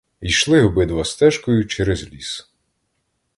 Йшли обидва стежкою, через ліс.